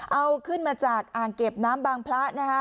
เอาขึ้นมาจากอ่างเก็บน้ำบางพระนะคะ